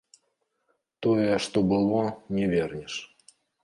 Тое, што было, не вернеш.